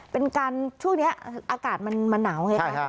เป็นการช่วงนี้อากาศมันมาหนาวไงคะ